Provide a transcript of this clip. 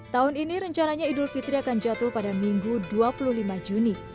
tahun ini rencananya idul fitri akan jatuh pada minggu dua puluh lima juni